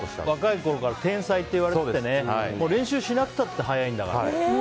若いころから天才といわれていて練習しなくたって速いんだから。